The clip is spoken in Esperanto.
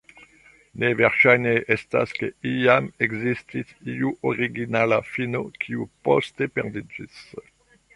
Ne verŝajne estas, ke iam ekzistis iu originala fino, kiu poste perdiĝis.